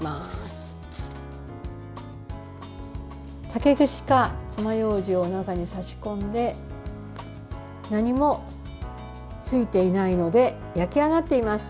竹串かつまようじを中に刺し込んで何もついていないので焼き上がっています。